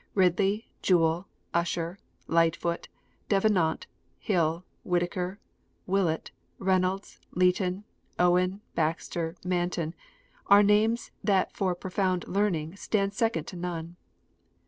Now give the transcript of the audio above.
Ridley, Jewell, Usher, Light foot, Davenant, Hall, Whittaker, Willett, Reynolds, Leighton, Owen, Baxter, Manton, are names that for profound learning stand second to none.